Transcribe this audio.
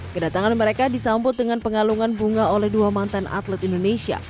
kedatangan mereka disambut dengan pengalungan bunga oleh dua mantan atlet indonesia